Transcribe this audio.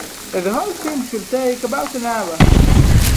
The whole film should take about an hour.